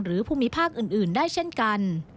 ภูมิภาคอื่นได้เช่นกัน